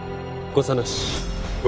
誤差なし。